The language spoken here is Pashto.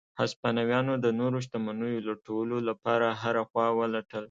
هسپانویانو د نورو شتمنیو لټولو لپاره هره خوا ولټل.